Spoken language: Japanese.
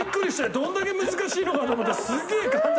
どれだけ難しいのかと思ったらすげえ簡単。